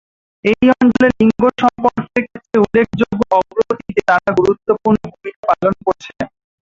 এই অঞ্চলে লিঙ্গ সম্পর্কের ক্ষেত্রে উল্লেখযোগ্য অগ্রগতিতে তারা গুরুত্বপূর্ণ ভূমিকা পালন করেছে।